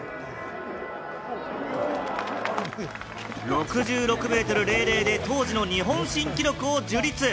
６６ｍ００で当時の日本新記録を樹立！